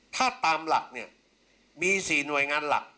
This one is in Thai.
ถ้าตามหลักเนี่ยมี๔หน่วยงานหลัก